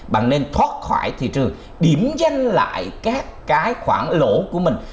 bạn nên thoát khỏi thị trường điểm danh lại các cái khoản lỗ của mình